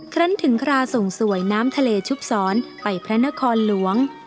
ครั้งถึงคราส่งสวยน้ำทะเลชุบสอนไปพระนครหลวง